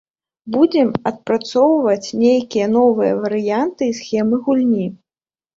Будзем адпрацоўваць нейкія новыя варыянты і схемы гульні.